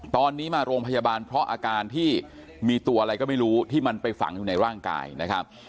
ตอนนี้มาโรงพยาบาลเพราะอาการที่มีตัวอะไรก็ไม่รู้ที่มันไปฝังอยู่ในร่างกายนะครับ